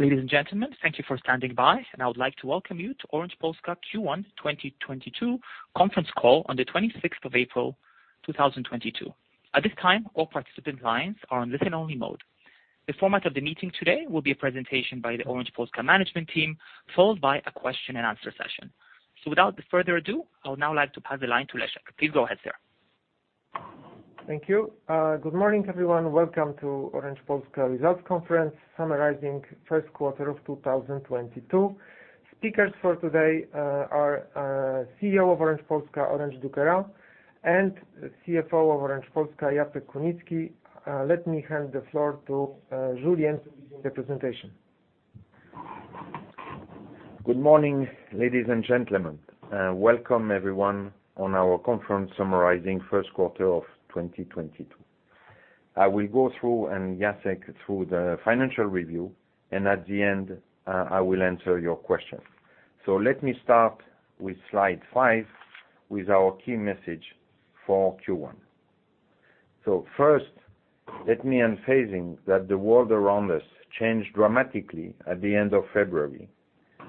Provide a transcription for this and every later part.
Ladies and gentlemen, thank you for standing by, and I would like to welcome you to Orange Polska Q1 2022 conference call on the twenty-sixth of April two thousand and twenty-two. At this time, all participant lines are on listen only mode. The format of the meeting today will be a presentation by the Orange Polska management team, followed by a question and answer session. Without further ado, I would now like to pass the line to Leszek. Please go ahead, sir. Thank you. Good morning, everyone. Welcome to Orange Polska results conference summarizing first quarter of 2022. Speakers for today are CEO of Orange Polska, Julien Ducarroz, and CFO of Orange Polska, Jacek Kunicki. Let me hand the floor to Julien to begin the presentation. Good morning, ladies and gentlemen, and welcome everyone to our conference summarizing the first quarter of 2022. I will go through, and Jacek, through the financial review, and at the end, I will answer your question. Let me start with slide 5, with our key message for Q1. First, let me emphasize that the world around us changed dramatically at the end of February.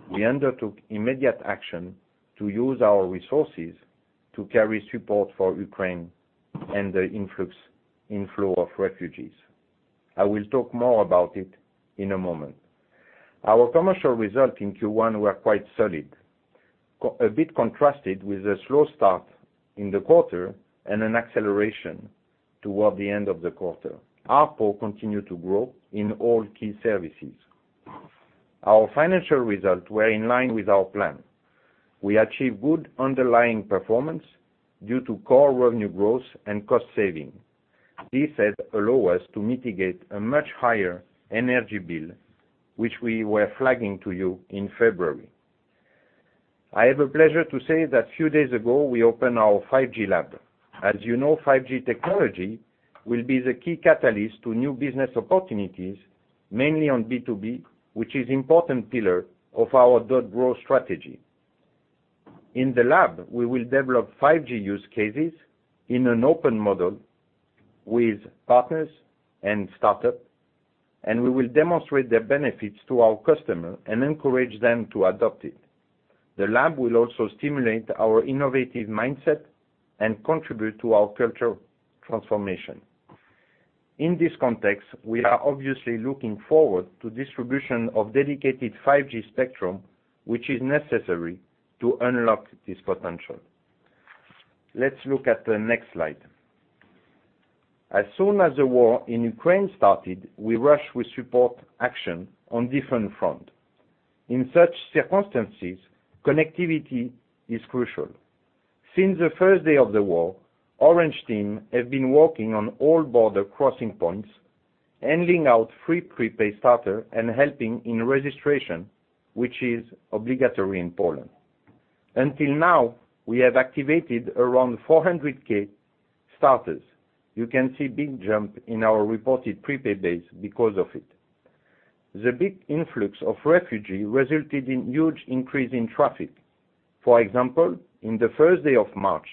We undertook immediate action to use our resources to provide support for Ukraine and the inflow of refugees. I will talk more about it in a moment. Our commercial results in Q1 were quite solid, a bit contrasted with a slow start in the quarter and an acceleration toward the end of the quarter. ARPU continued to grow in all key services. Our financial results were in line with our plan. We achieved good underlying performance due to core revenue growth and cost saving. This has allowed us to mitigate a much higher energy bill, which we were flagging to you in February. I have the pleasure to say that a few days ago, we opened our 5G lab. As you know, 5G technology will be the key catalyst to new business opportunities, mainly on B2B, which is an important pillar of our .Grow strategy. In the lab, we will develop 5G use cases in an open model with partners and startups, and we will demonstrate their benefits to our customers and encourage them to adopt it. The lab will also stimulate our innovative mindset and contribute to our culture transformation. In this context, we are obviously looking forward to the distribution of dedicated 5G spectrum, which is necessary to unlock this potential. Let's look at the next slide. As soon as the war in Ukraine started, we rushed with support action on different fronts. In such circumstances, connectivity is crucial. Since the first day of the war, Orange team has been working on all border crossing points, handing out free prepaid starters and helping in registration, which is obligatory in Poland. Until now, we have activated around 400,000 starters. You can see big jump in our reported prepaid days because of it. The big influx of refugees resulted in huge increase in traffic. For example, in the first day of March,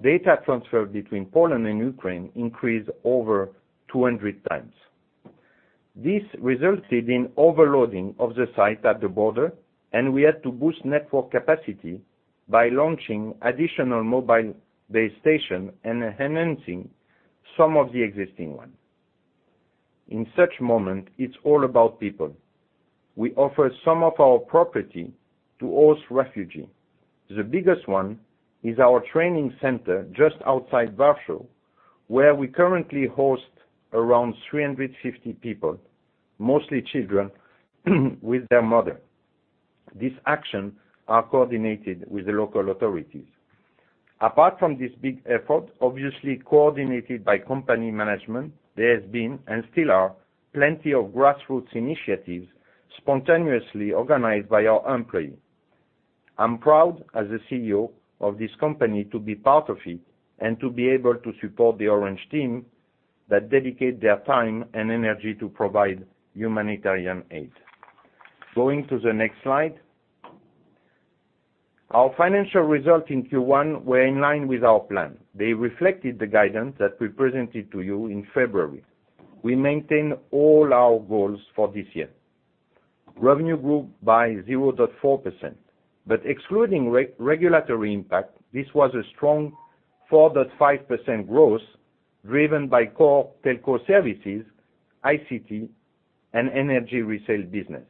data transfer between Poland and Ukraine increased over 200 times. This resulted in overloading of the sites at the border, and we had to boost network capacity by launching additional mobile base stations and enhancing some of the existing ones. In such moment, it's all about people. We offer some of our property to host refugees. The biggest one is our training center just outside Warsaw, where we currently host around 350 people, mostly children with their mothers. These actions are coordinated with the local authorities. Apart from this big effort, obviously coordinated by company management, there has been, and still are, plenty of grassroots initiatives spontaneously organized by our employees. I'm proud as the CEO of this company to be part of it and to be able to support the Orange team that dedicate their time and energy to provide humanitarian aid. Going to the next slide. Our financial results in Q1 were in line with our plan. They reflected the guidance that we presented to you in February. We maintain all our goals for this year. Revenue grew by 0.4%. Excluding regulatory impact, this was a strong 4.5% growth driven by core telco services, ICT, and energy resale business.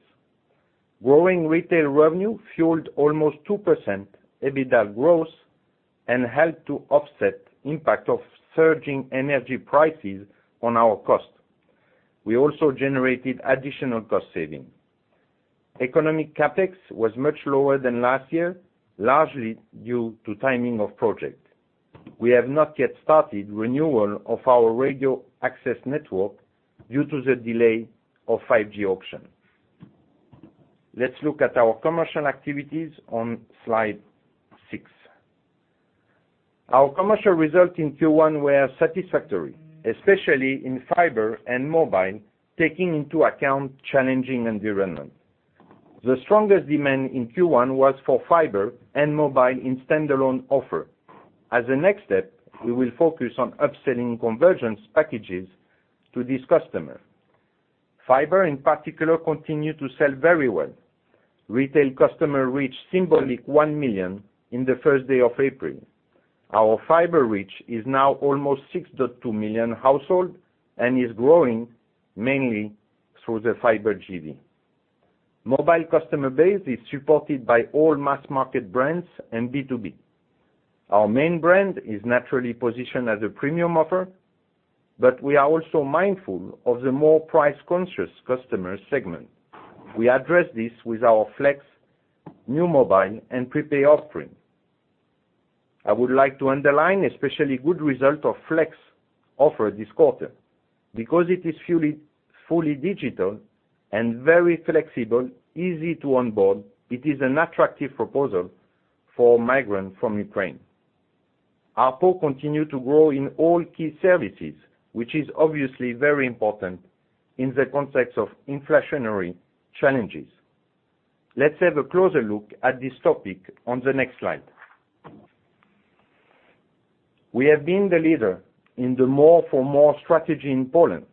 Growing retail revenue fueled almost 2% EBITDA growth and helped to offset impact of surging energy prices on our cost. We also generated additional cost saving. Economic CapEx was much lower than last year, largely due to timing of project. We have not yet started renewal of our radio access network due to the delay of 5G auction. Let's look at our commercial activities on slide 6. Our commercial results in Q1 were satisfactory, especially in fiber and mobile, taking into account challenging environment. The strongest demand in Q1 was for fiber and mobile in standalone offer. As a next step, we will focus on upselling convergence packages to this customer. Fiber, in particular, continue to sell very well. Retail customers reached symbolic 1 million in the first day of April. Our fiber reach is now almost 6.2 million household and is growing mainly through the fiber GD. Mobile customer base is supported by all mass-market brands and B2B. Our main brand is naturally positioned as a premium offer, but we are also mindful of the more price-conscious customer segment. We address this with our Flex new mobile and prepaid offering. I would like to underline especially good result of Flex offer this quarter. Because it is fully digital and very flexible, easy to onboard, it is an attractive proposal for migrant from Ukraine. ARPU continue to grow in all key services, which is obviously very important in the context of inflationary challenges. Let's have a closer look at this topic on the next slide. We have been the leader in the more for more strategy in Poland.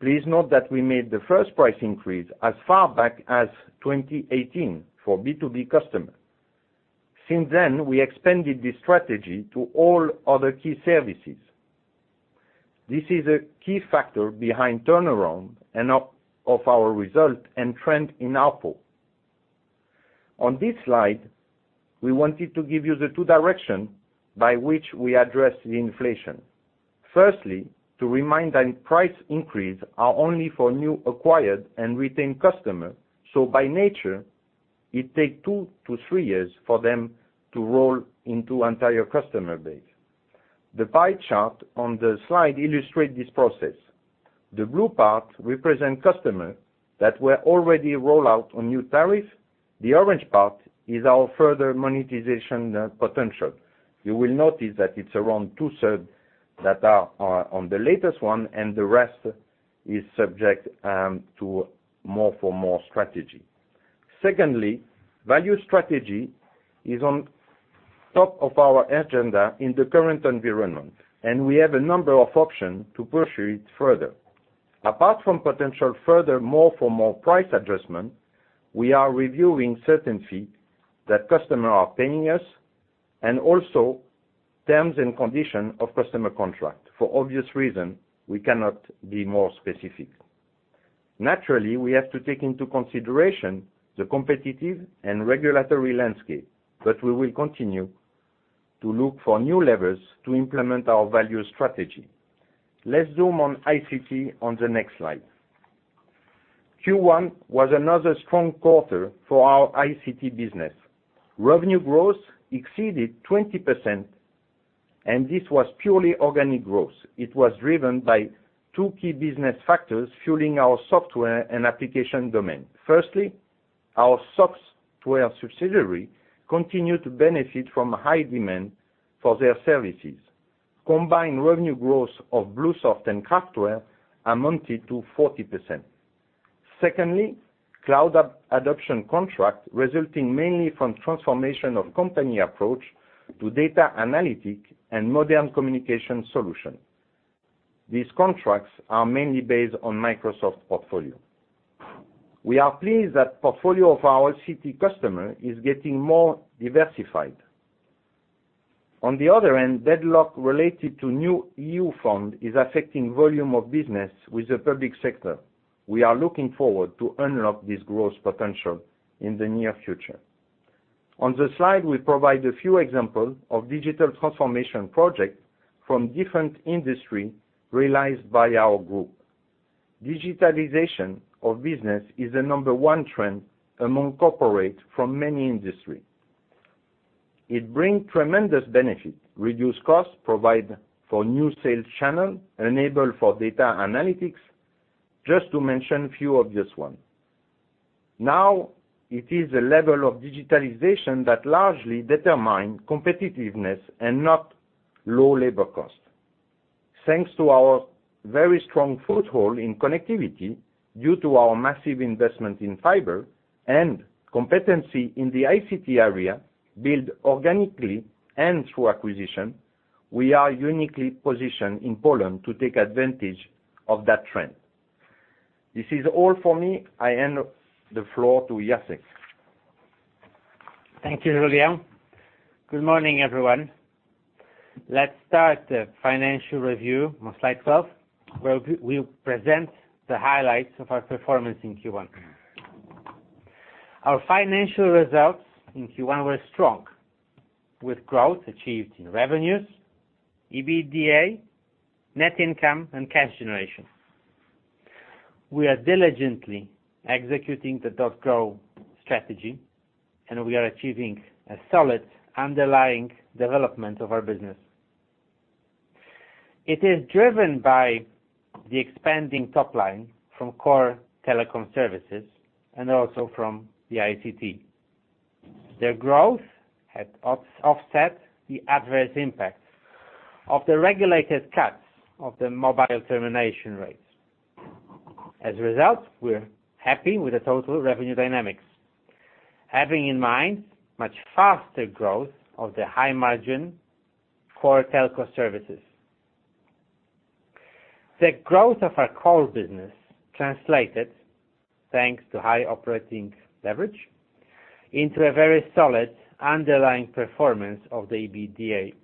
Please note that we made the first price increase as far back as 2018 for B2B customer. Since then, we expanded this strategy to all other key services. This is a key factor behind turnaround and up of our result and trend in ARPU. On this slide, we wanted to give you the two direction by which we address the inflation. Firstly, to remind that price increase are only for new acquired and retained customer, so by nature, it take two to three years for them to roll into entire customer base. The pie chart on the slide illustrate this process. The blue part represent customer that were already roll out on new tariff. The orange part is our further monetization potential. You will notice that it's around two-thirds that are on the latest one, and the rest is subject to more for more strategy. Secondly, value strategy is on top of our agenda in the current environment, and we have a number of options to pursue it further. Apart from potential further more for more price adjustment, we are reviewing certain fees that customers are paying us and also terms and conditions of customer contracts. For obvious reasons, we cannot be more specific. Naturally, we have to take into consideration the competitive and regulatory landscape, but we will continue to look for new levers to implement our value strategy. Let's zoom on ICT on the next slide. Q1 was another strong quarter for our ICT business. Revenue growth exceeded 20%, and this was purely organic growth. It was driven by two key business factors fueling our software and application domain. Firstly, our software subsidiary continued to benefit from high demand for their services. Combined revenue growth of BlueSoft and Craftware amounted to 40%. Secondly, cloud adoption contracts resulting mainly from transformation of company approach to data analytics and modern communication solutions. These contracts are mainly based on Microsoft portfolio. We are pleased that portfolio of our ICT customers is getting more diversified. On the other hand, deadlock related to new EU fund is affecting volume of business with the public sector. We are looking forward to unlock this growth potential in the near future. On the slide, we provide a few examples of digital transformation projects from different industries realized by our group. Digitalization of business is the number one trend among corporates from many industries. It brings tremendous benefit, reduces cost, provides for new sales channel, enables for data analytics, just to mention a few obvious ones. Now, it is the level of digitalization that largely determines competitiveness and not low labor cost. Thanks to our very strong foothold in connectivity due to our massive investment in fiber and competency in the ICT area built organically and through acquisition, we are uniquely positioned in Poland to take advantage of that trend. This is all for me. I hand the floor to Jacek. Thank you, Julien. Good morning, everyone. Let's start the financial review on slide 12, where we will present the highlights of our performance in Q1. Our financial results in Q1 were strong, with growth achieved in revenues, EBITDA, net income and cash generation. We are diligently executing the .Grow strategy, and we are achieving a solid underlying development of our business. It is driven by the expanding top line from core telecom services and also from the ICT. Their growth had offset the adverse impact of the regulated cuts of the mobile termination rates. As a result, we're happy with the total revenue dynamics, having in mind much faster growth of the high margin core telco services. The growth of our core business translated, thanks to high operating leverage, into a very solid underlying performance of the EBITDA.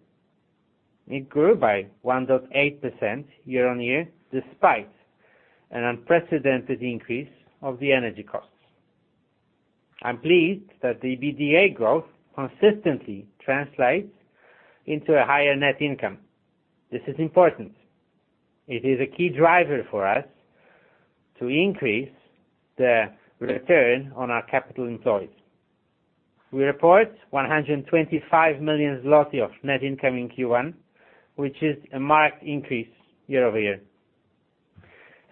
It grew by 1.8% year-on-year, despite an unprecedented increase of the energy costs. I'm pleased that the EBITDA growth consistently translates into a higher net income. This is important. It is a key driver for us to increase the return on our capital employed. We report 125 million zloty of net income in Q1, which is a marked increase year-over-year.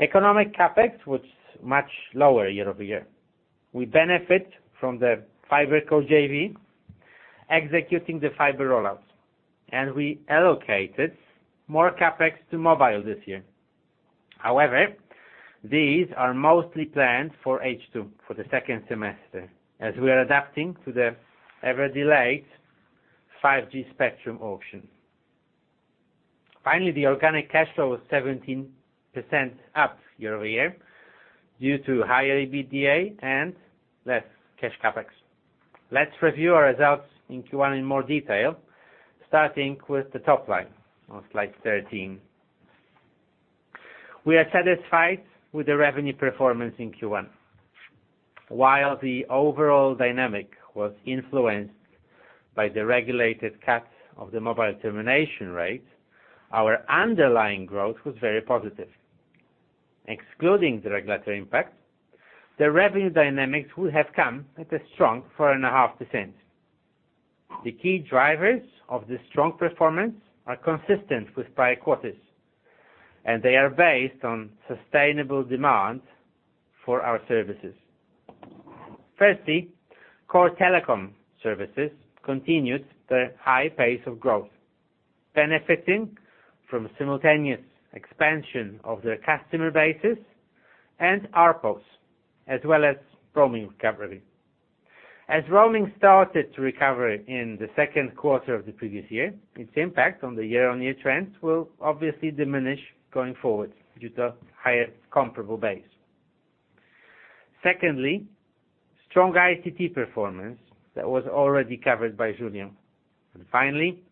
Economic CapEx was much lower year-over-year. We benefit from the FiberCo JV executing the fiber roll-outs, and we allocated more CapEx to mobile this year. However, these are mostly planned for H2, for the second semester, as we are adapting to the ever delayed 5G spectrum auction. Finally, the organic cash flow was 17% up year-over-year due to higher EBITDA and less cash CapEx. Let's review our results in Q1 in more detail, starting with the top line on slide 13. We are satisfied with the revenue performance in Q1. While the overall dynamic was influenced by the regulated cuts of the mobile termination rate, our underlying growth was very positive. Excluding the regulatory impact, the revenue dynamics would have come at a strong 4.5%. The key drivers of this strong performance are consistent with prior quarters, and they are based on sustainable demand for our services. Firstly, core telecom services continued their high pace of growth, benefiting from simultaneous expansion of their customer bases and ARPOs, as well as roaming recovery. As roaming started to recover in the second quarter of the previous year, its impact on the year-on-year trends will obviously diminish going forward due to higher comparable base. Secondly, strong ICT performance that was already covered by Julien. Finally,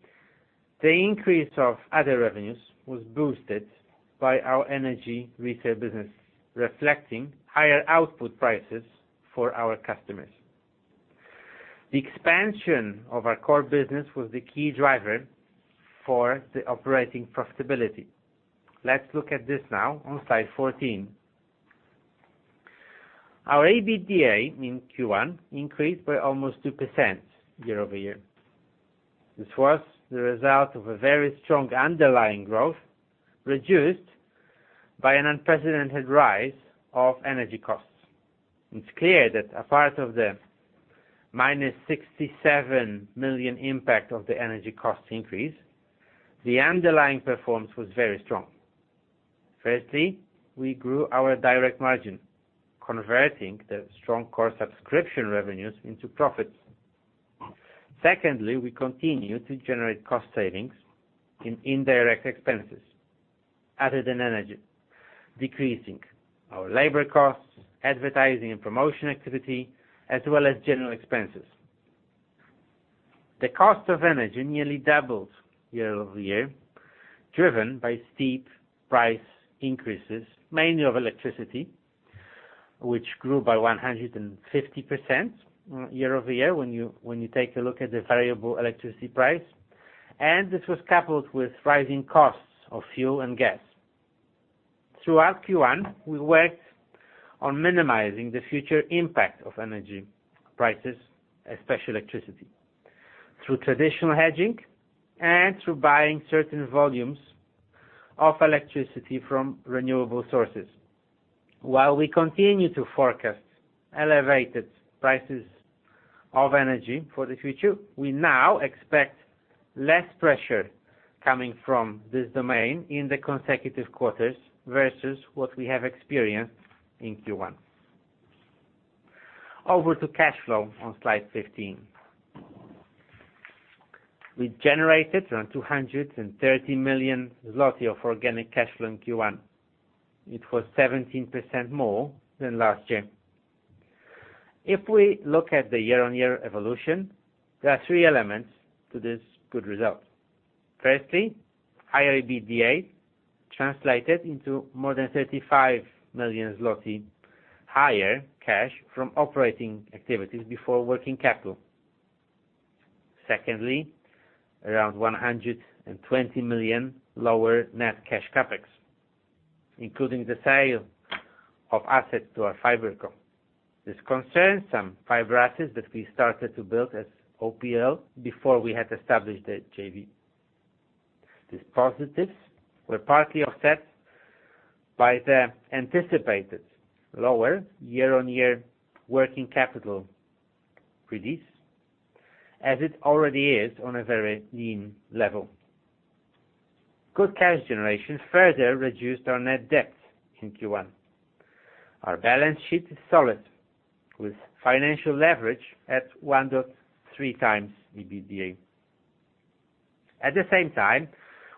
the increase of other revenues was boosted by our energy retail business, reflecting higher output prices for our customers. The expansion of our core business was the key driver for the operating profitability. Let's look at this now on slide 14. Our EBITDA in Q1 increased by almost 2% year-over-year. This was the result of a very strong underlying growth, reduced by an unprecedented rise of energy costs. It's clear that a part of the -67 million impact of the energy cost increase, the underlying performance was very strong. Firstly, we grew our direct margin, converting the strong core subscription revenues into profits. Secondly, we continue to generate cost savings in indirect expenses other than energy, decreasing our labor costs, advertising and promotion activity, as well as general expenses. The cost of energy nearly doubled year-over-year, driven by steep price increases, mainly of electricity, which grew by 150% year-over-year when you take a look at the variable electricity price, and this was coupled with rising costs of fuel and gas. Throughout Q1, we worked on minimizing the future impact of energy prices, especially electricity, through traditional hedging and through buying certain volumes of electricity from renewable sources. While we continue to forecast elevated prices of energy for the future, we now expect less pressure coming from this domain in the consecutive quarters versus what we have experienced in Q1. Over to cash flow on slide 15. We generated around 230 million zloty of organic cash flow in Q1. It was 17% more than last year. If we look at the year-on-year evolution, there are three elements to this good result. Firstly, higher EBITDA translated into more than 35 million zloty higher cash from operating activities before working capital. Secondly, around 120 million lower net cash CapEx, including the sale of assets to our FiberCo. This concerns some fiber assets that we started to build as OPL before we had established the JV. These positives were partly offset by the anticipated lower year-on-year working capital release, as it already is on a very lean level. Good cash generation further reduced our net debt in Q1. Our balance sheet is solid, with financial leverage at 1-3 times EBITDA. At the same time,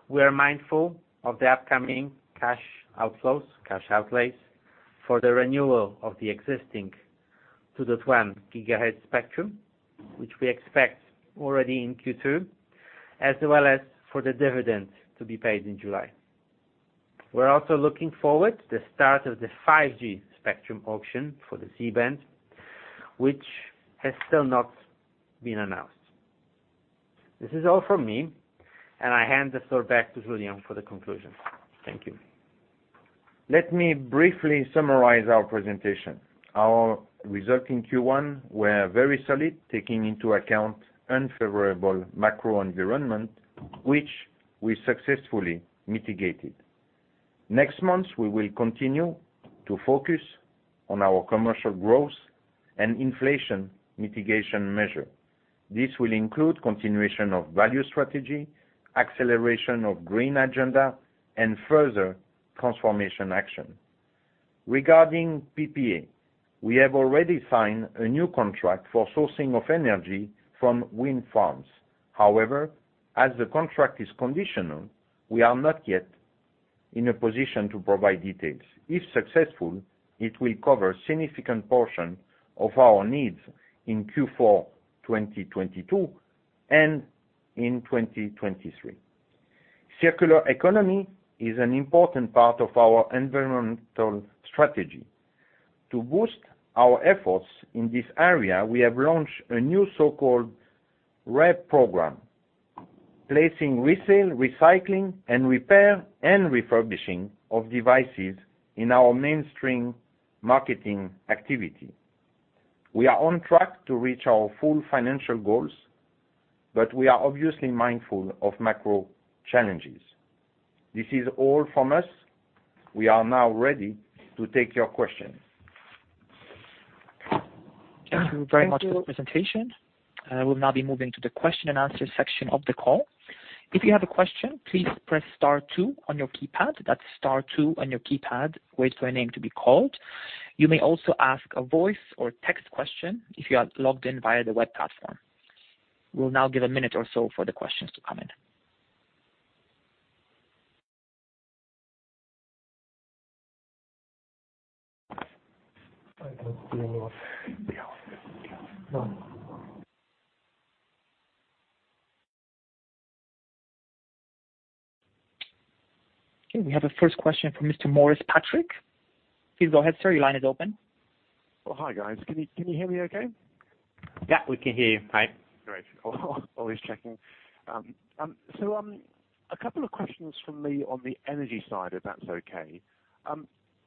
we are mindful of the upcoming cash outflows, cash outlays for the renewal of the existing 2.1 GHz spectrum, which we expect already in Q2, as well as for the dividend to be paid in July. We're also looking forward to the start of the 5G spectrum auction for the C-band, which has still not been announced. This is all from me, and I hand the floor back to Julien for the conclusion. Thank you. Let me briefly summarize our presentation. Our results in Q1 were very solid, taking into account unfavorable macro environment, which we successfully mitigated. Next month, we will continue to focus on our commercial growth and inflation mitigation measure. This will include continuation of value strategy, acceleration of green agenda, and further transformation action. Regarding PPA, we have already signed a new contract for sourcing of energy from wind farms. However, as the contract is conditional, we are not yet in a position to provide details. If successful, it will cover a significant portion of our needs in Q4 2022 and in 2023. Circular economy is an important part of our environmental strategy. To boost our efforts in this area, we have launched a new so-called Re program, placing resale, recycling, and repair and refurbishing of devices in our mainstream marketing activity. We are on track to reach our full financial goals, but we are obviously mindful of macro challenges. This is all from us. We are now ready to take your questions. Thank you very much for the presentation. We'll now be moving to the question and answer section of the call. If you have a question, please press star two on your keypad. That's star two on your keypad. Wait for your name to be called. You may also ask a voice or text question if you are logged in via the web platform. We'll now give a minute or so for the questions to come in. Okay, we have a first question from Mr. Morris Patrick. Please go ahead, sir. Your line is open. Oh, hi, guys. Can you hear me okay? Yeah, we can hear you fine. Great. Always checking. A couple of questions from me on the energy side, if that's okay.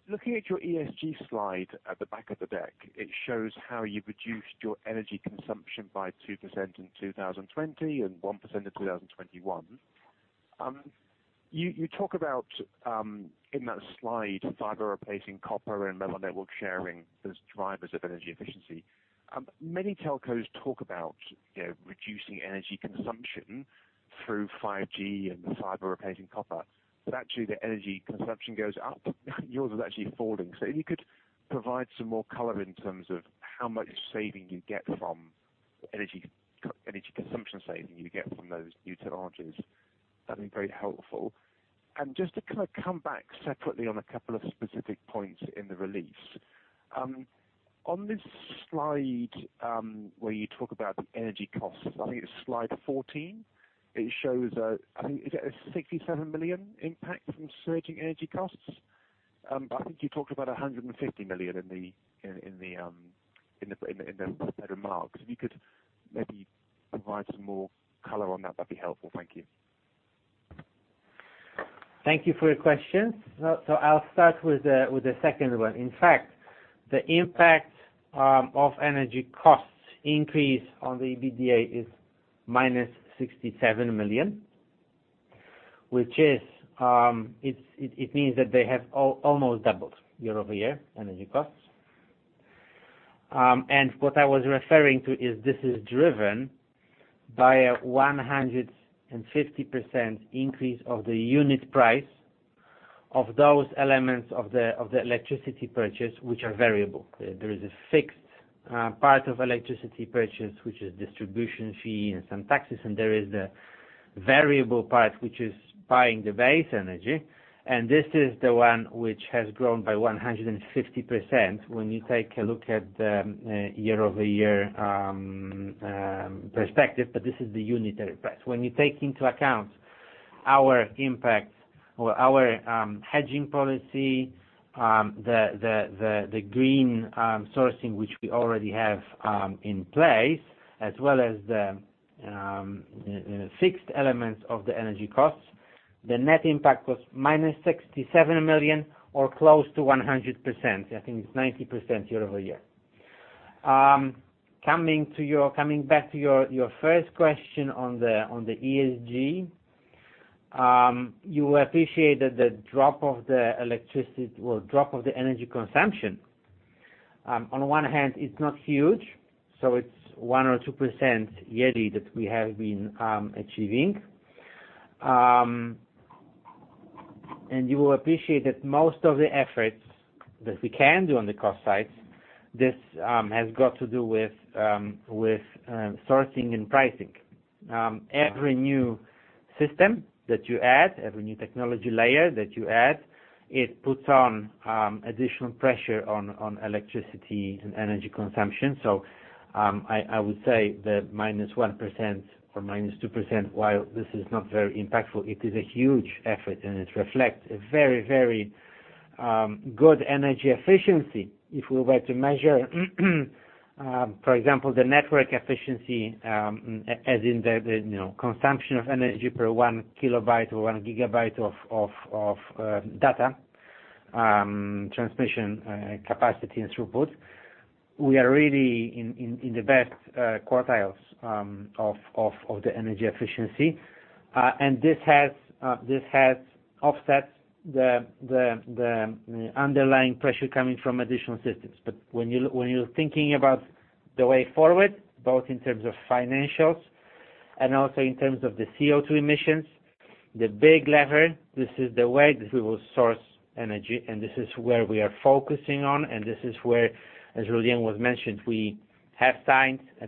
Looking at your ESG slide at the back of the deck, it shows how you've reduced your energy consumption by 2% in 2020 and 1% in 2021. You talk about, in that slide, fiber replacing copper and mobile network sharing as drivers of energy efficiency. Many telcos talk about, you know, reducing energy consumption through 5G and fiber replacing copper, but actually the energy consumption goes up. Yours is actually falling. If you could provide some more color in terms of how much energy consumption saving you get from those new technologies, that'd be very helpful. Just to kinda come back separately on a couple of specific points in the release. On this slide, where you talk about the energy costs, I think it's slide 14. It shows a, I think, is it a 67 million impact from surging energy costs? But I think you talked about a 150 million in the remarks. If you could maybe provide some more color on that'd be helpful. Thank you. Thank you for your question. I'll start with the second one. In fact, the impact of energy costs increase on the EBITDA is -67 million, which means that they have almost doubled year-over-year, energy costs. What I was referring to is this is driven by a 150% increase of the unit price of those elements of the electricity purchase, which are variable. There is a fixed part of electricity purchase, which is distribution fee and some taxes, and there is the variable part, which is buying the base energy. This is the one which has grown by 150% when you take a look at the year-over-year perspective, but this is the unitary price. When you take into account our impact or our hedging policy, the green sourcing, which we already have in place, as well as the fixed elements of the energy costs, the net impact was -67 million or close to 100%. I think it's 90% year over year. Coming back to your first question on the ESG. You will appreciate that the drop of the electricity or drop of the energy consumption on one hand is not huge, so it's 1% or 2% yearly that we have been achieving. You will appreciate that most of the efforts that we can do on the cost side, this has got to do with sourcing and pricing. Every new system that you add, every new technology layer that you add, it puts on additional pressure on electricity and energy consumption. I would say that -1% or -2%, while this is not very impactful, it is a huge effort, and it reflects a very good energy efficiency. If we were to measure, for example, the network efficiency, as in the you know, consumption of energy per one kilobyte or one gigabyte of data transmission capacity and throughput. We are really in the best quartiles of the energy efficiency. This has offset the underlying pressure coming from additional systems. When you're thinking about the way forward, both in terms of financials and also in terms of the CO2 emissions, the big lever this is the way that we will source energy, and this is where we are focusing on. This is where, as Julien has mentioned, we have signed a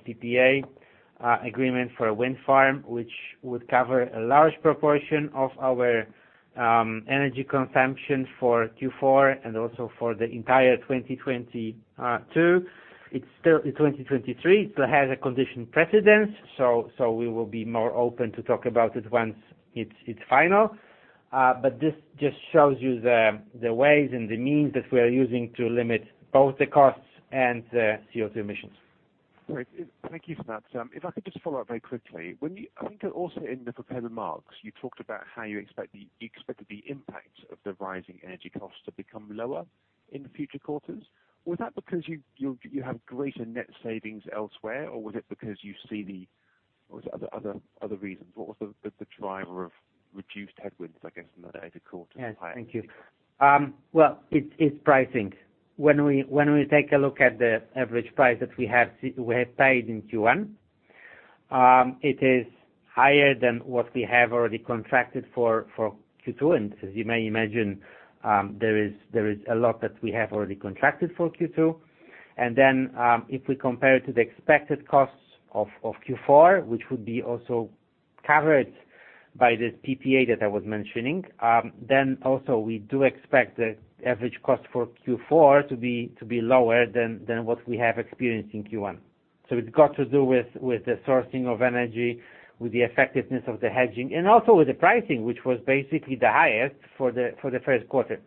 PPA agreement for a wind farm, which would cover a large proportion of our energy consumption for Q4 and also for the entire 2022. It's still in 2023. It still has a condition precedent, so we will be more open to talk about it once it's final. But this just shows you the ways and the means that we are using to limit both the costs and the CO2 emissions. Great. Thank you for that. If I could just follow up very quickly. I think also in the prepared remarks, you talked about how you expect the impact of the rising energy costs to become lower in future quarters. Was that because you have greater net savings elsewhere, or was it because you see the? Or was it other reasons? What was the driver of reduced headwinds, I guess, in the later quarters? Yes. Thank you. Well, it's pricing. When we take a look at the average price that we have paid in Q1, it is higher than what we have already contracted for Q2. As you may imagine, there is a lot that we have already contracted for Q2. If we compare to the expected costs of Q4, which would be also covered by this PPA that I was mentioning, then also we do expect the average cost for Q4 to be lower than what we have experienced in Q1. It's got to do with the sourcing of energy, with the effectiveness of the hedging, and also with the pricing, which was basically the highest for the first quarter.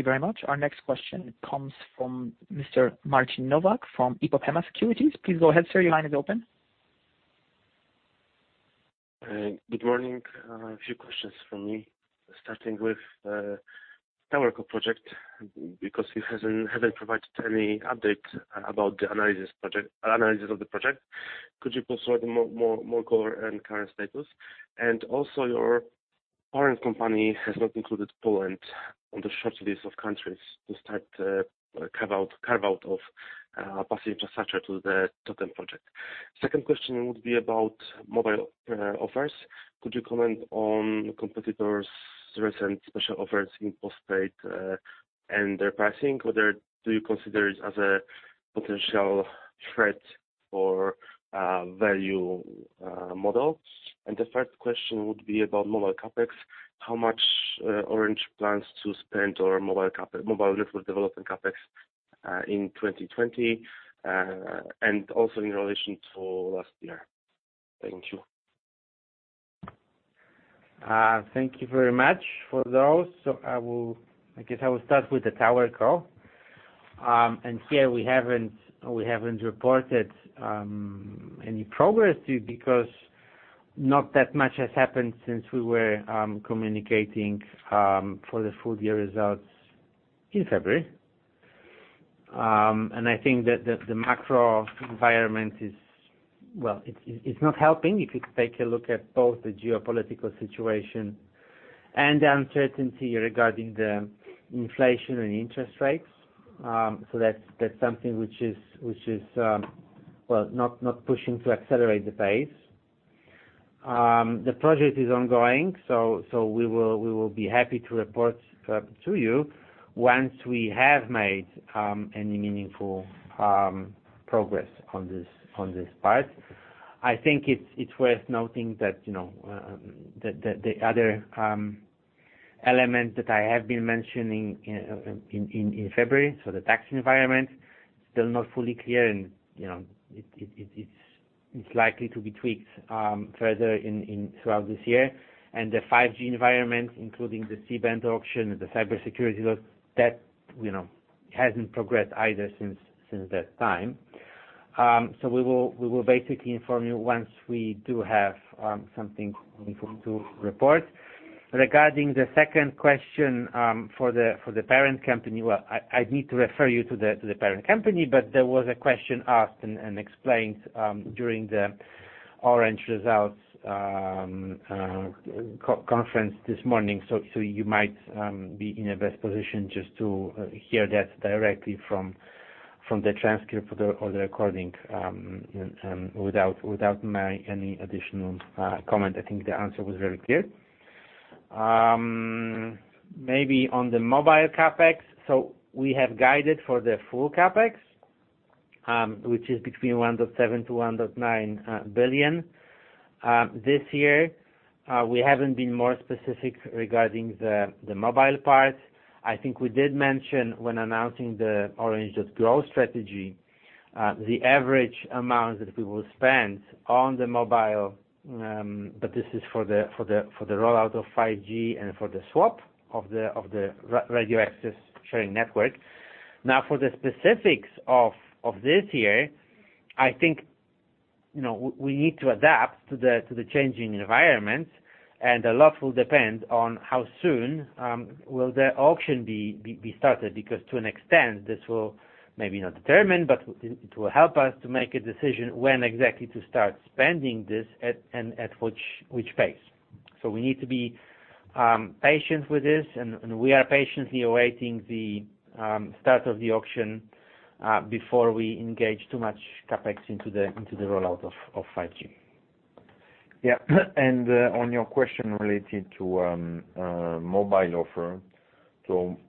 That's super helpful. Thanks, guys. Thank you. Thank you very much. Our next question comes from Mr. Marcin Nowak from IPOPEMA Securities. Please go ahead, sir. Your line is open. Good morning. A few questions from me, starting with TowerCo project, because you haven't provided any updates about the analysis of the project. Could you provide more color and current status? Your parent company has not included Poland on the short list of countries to start carve out of passive infrastructure to the TOTEM project. Second question would be about mobile offers. Could you comment on competitors' recent special offers in postpaid and their pricing? Whether do you consider it as a potential threat or value model? The third question would be about mobile CapEx. How much Orange plans to spend on mobile network development CapEx in 2020 and also in relation to last year? Thank you. Thank you very much for those. I guess I will start with the TowerCo. Here we haven't reported any progress to you because not that much has happened since we were communicating for the full year results in February. I think that the macro environment is well, it's not helping if you take a look at both the geopolitical situation and the uncertainty regarding the inflation and interest rates. That's something which is well, not pushing to accelerate the pace. The project is ongoing, so we will be happy to report to you once we have made any meaningful progress on this part. I think it's worth noting that, you know, the other element that I have been mentioning in February, so the tax environment, still not fully clear and, you know, it's likely to be tweaked further throughout this year. The 5G environment, including the C-band auction and the cybersecurity law, that, you know, hasn't progressed either since that time. We will basically inform you once we do have something to report. Regarding the second question, for the parent company, well, I need to refer you to the parent company, but there was a question asked and explained during the Orange results conference this morning. You might be in a best position just to hear that directly from the transcript or the recording without my any additional comment. I think the answer was very clear. Maybe on the mobile CapEx. We have guided for the full CapEx, which is between 1.7 billion and 1.9 billion this year. We haven't been more specific regarding the mobile part. I think we did mention when announcing the Orange .Grow strategy the average amount that we will spend on the mobile, but this is for the rollout of 5G and for the swap of the radio access sharing network. Now, for the specifics of this year, I think, you know, we need to adapt to the changing environment, and a lot will depend on how soon will the auction be started. Because to an extent, this will maybe not determine, but it will help us to make a decision when exactly to start spending this CapEx, and at which pace. We need to be patient with this, and we are patiently awaiting the start of the auction before we engage too much CapEx into the rollout of 5G. On your question related to mobile offer.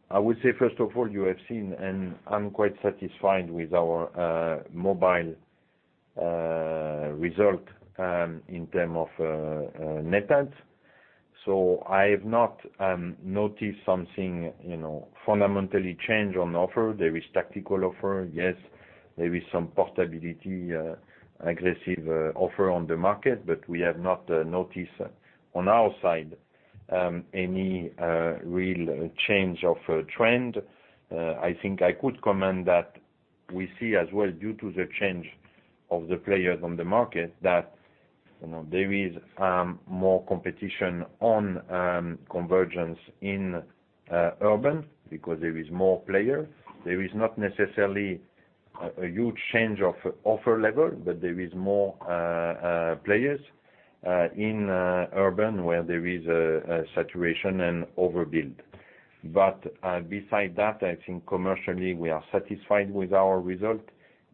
I would say, first of all, you have seen, and I'm quite satisfied with our mobile result in terms of net add. I have not noticed something, you know, fundamentally change on offer. There is tactical offer, yes. There is some portability aggressive offer on the market, but we have not noticed on our side any real change of trend. I think I could comment that we see as well due to the change of the players on the market, that, you know, there is more competition on convergence in urban because there is more player. There is not necessarily a huge change of offer level, but there is more players in urban where there is a saturation and overbuild. Besides that, I think commercially we are satisfied with our result,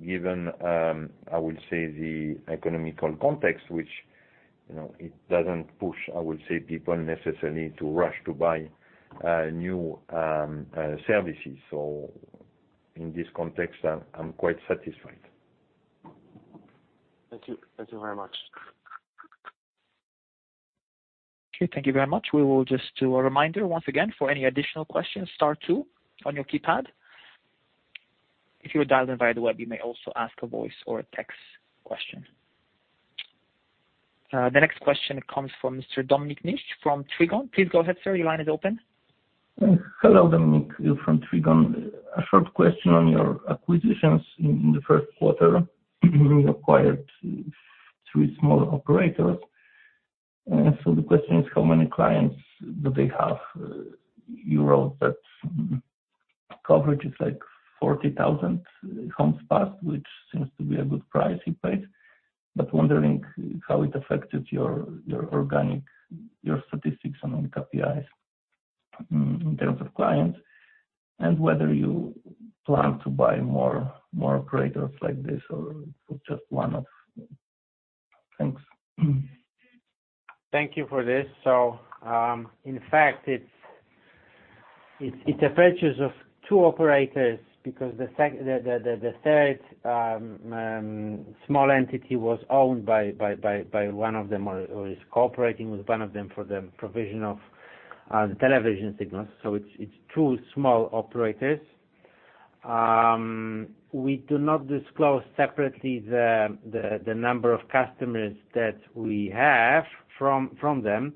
given I would say the economic context, which you know it doesn't push I would say people necessarily to rush to buy new services. In this context, I'm quite satisfied. Thank you. Thank you very much. Okay. Thank you very much. We will just do a reminder once again, for any additional questions, star two on your keypad. If you are dialed in via the web, you may also ask a voice or a text question. The next question comes from Mr. Dominik Niszcz from Trigon. Please go ahead, sir. Your line is open. Hello. Dominik Niszcz from Trigon. A short question on your acquisitions in the first quarter. You acquired three small operators. The question is, how many clients do they have? You wrote that coverage is like 40,000 homes passed, which seems to be a good price you paid. But wondering how it affected your organic statistics on KPIs in terms of clients, and whether you plan to buy more operators like this or it was just one off. Thanks. Thank you for this. In fact, it's a purchase of two operators because the third small entity was owned by one of them, or is cooperating with one of them for the provision of the television signals. It's two small operators. We do not disclose separately the number of customers that we have from them,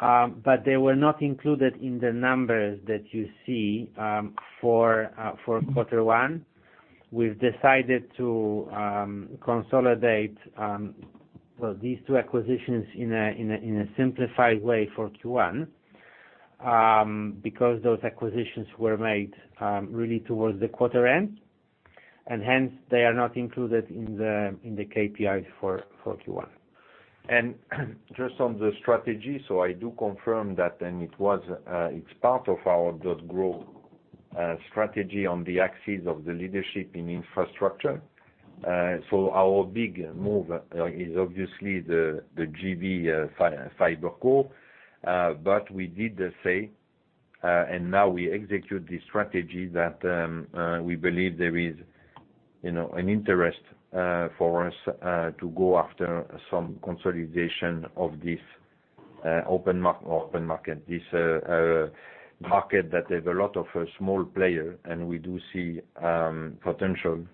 but they were not included in the numbers that you see for quarter one. We've decided to consolidate well these two acquisitions in a simplified way for Q1, because those acquisitions were made really towards the quarter end, and hence they are not included in the KPIs for Q1. Just on the strategy. I do confirm that it was, it's part of our .Grow strategy on the axis of the leadership in infrastructure. Our big move is obviously the JV FiberCo. But we did say and now we execute the strategy that we believe there is, you know, an interest for us to go after some consolidation of this open market. This market that there's a lot of small player and we do see potential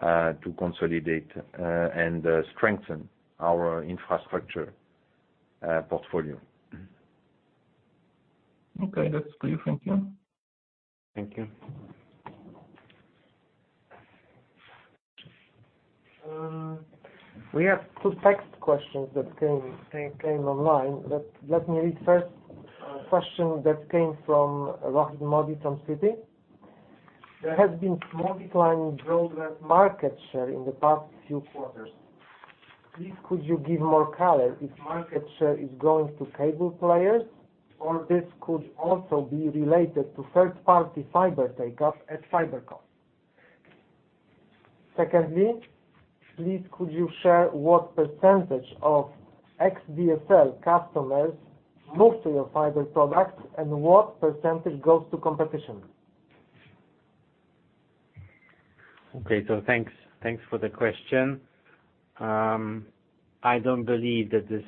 to consolidate and strengthen our infrastructure portfolio. Okay, that's clear. Thank you. Thank you. We have two text questions that came online. Let me read first question that came from Rahid Modi, from City. There has been small decline in broadband market share in the past few quarters. Please, could you give more color if market share is going to cable players or this could also be related to third-party fiber uptake at FiberCo. Secondly, please could you share what percentage of ex-DSL customers move to your fiber products and what percentage goes to competition? Okay. Thanks for the question. I don't believe that this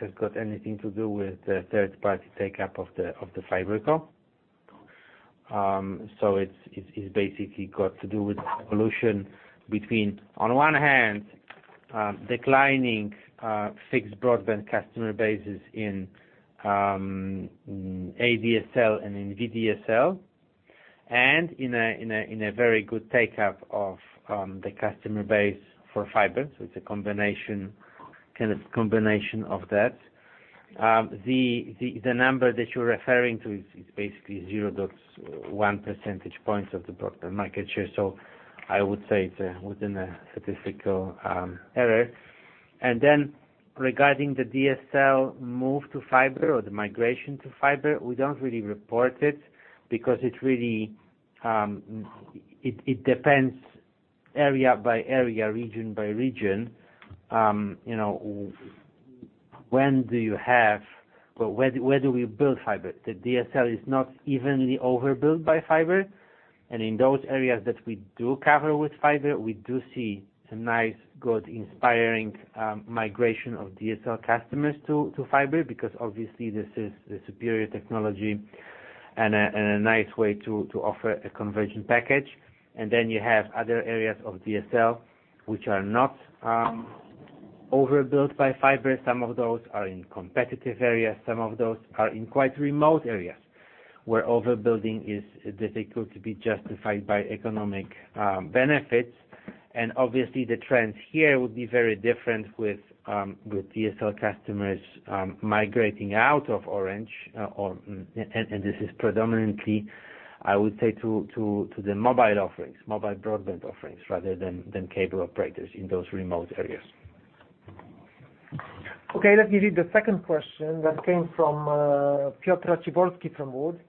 has got anything to do with the third-party take-up of the FiberCo. It's basically got to do with the evolution between, on one hand, declining fixed broadband customer bases in ADSL and in VDSL, and in a very good take-up of the customer base for fiber. It's a kind of combination of that. The number that you're referring to is basically 0.1 percentage points of the broadband market share. I would say it's within a statistical error. Regarding the DSL move to fiber or the migration to fiber, we don't really report it because it really depends area by area, region by region. You know, where do we build fiber? The DSL is not evenly overbuilt by fiber. In those areas that we do cover with fiber, we do see a nice, good inspiring migration of DSL customers to fiber because obviously this is the superior technology and a nice way to offer a conversion package. Then you have other areas of DSL which are not overbuilt by fiber. Some of those are in competitive areas. Some of those are in quite remote areas where overbuilding is difficult to be justified by economic benefits. Obviously the trends here would be very different with DSL customers migrating out of Orange. This is predominantly, I would say, to the mobile offerings, mobile broadband offerings rather than cable operators in those remote areas. Okay, let me read the second question that came from Piotr Raciborski from WOOD & Company.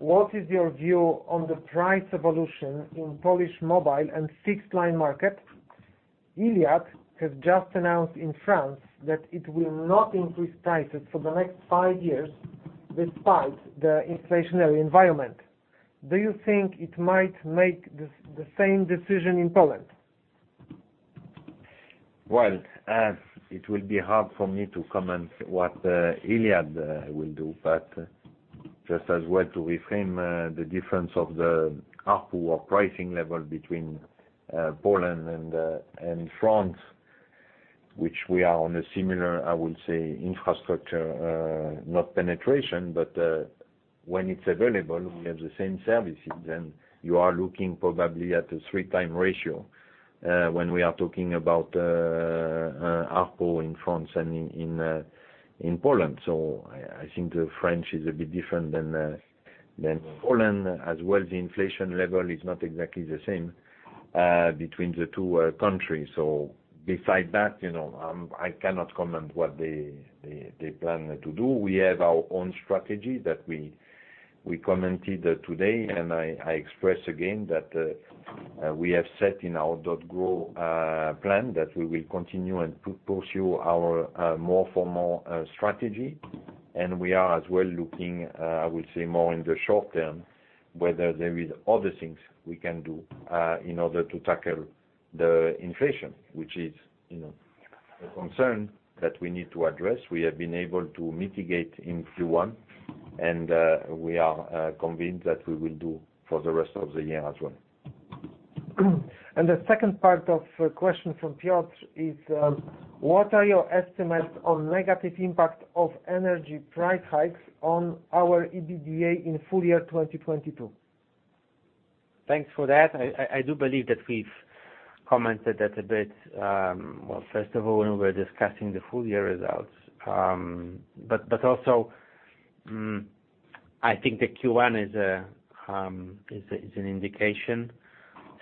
What is your view on the price evolution in Polish mobile and fixed line market? Iliad has just announced in France that it will not increase prices for the next five years despite the inflationary environment. Do you think it might make the same decision in Poland? Well, it will be hard for me to comment what Iliad will do. Just as well to reframe the difference of the ARPU or pricing level between Poland and France, which we are on a similar, I would say, infrastructure not penetration. When it's available, we have the same services, and you are looking probably at a 3-time ratio when we are talking about ARPU in France and in Poland. I think the French is a bit different than Poland. As well, the inflation level is not exactly the same between the two countries. Besides that, you know, I cannot comment what they plan to do. We have our own strategy that we commented today, and I express again that we have set in our .Grow plan that we will continue and pursue our more for more strategy. We are as well looking, I would say more in the short term, whether there is other things we can do in order to tackle the inflation, which is, you know, a concern that we need to address. We have been able to mitigate in Q1, and we are convinced that we will do for the rest of the year as well. The second part of a question from Piotr is: What are your estimates on negative impact of energy price hikes on our EBITDA in full year 2022? Thanks for that. I do believe that we've commented that a bit, well, first of all, when we were discussing the full year results. Also, I think the Q1 is an indication.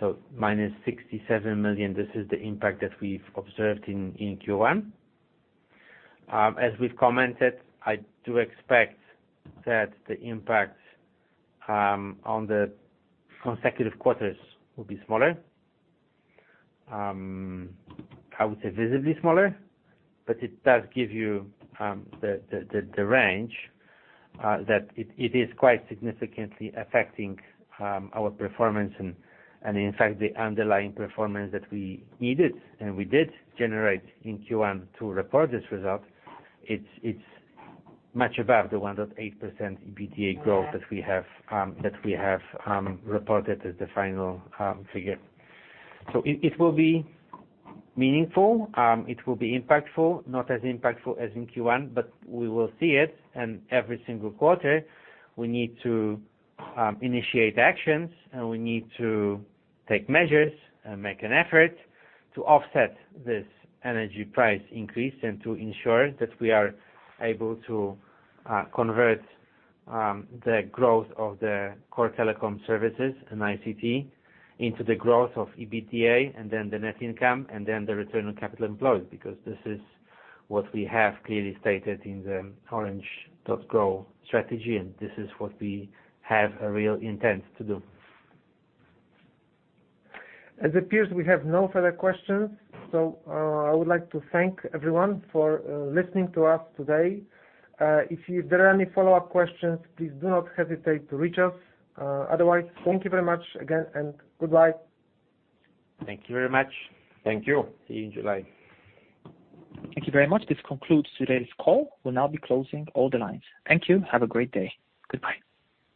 -67 million, this is the impact that we've observed in Q1. As we've commented, I do expect that the impact on the consecutive quarters will be smaller. I would say visibly smaller, but it does give you the range that it is quite significantly affecting our performance and in fact the underlying performance that we needed and we did generate in Q1 to report this result. It's much above the 1.8% EBITDA growth that we have reported as the final figure. It will be meaningful. It will be impactful, not as impactful as in Q1, but we will see it. Every single quarter, we need to initiate actions, and we need to take measures and make an effort to offset this energy price increase and to ensure that we are able to convert the growth of the core telecom services and ICT into the growth of EBITDA and then the net income and then the return on capital employed. Because this is what we have clearly stated in the Orange .Grow strategy, and this is what we have a real intent to do. As it appears, we have no further questions. I would like to thank everyone for listening to us today. If there are any follow-up questions, please do not hesitate to reach us. Otherwise, thank you very much again and goodbye. Thank you very much. Thank you. See you in July. Thank you very much. This concludes today's call. We'll now be closing all the lines. Thank you. Have a great day. Goodbye.